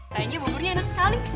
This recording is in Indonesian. kagak punya perasaan